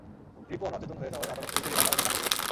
রিপন অচেতন হয়ে যাওয়ায় আদালত পুলিশের রিমান্ড আবেদন নাকচ করে দেন।